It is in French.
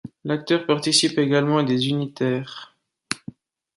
L'acteur participe également à des unitaires.